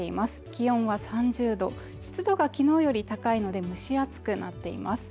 気温は３０度湿度がきのうより高いので蒸し暑くなっています